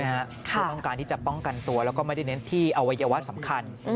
คือต้องการที่จะป้องกันตัวแล้วก็ไม่ได้เน้นที่อวัยวะสำคัญ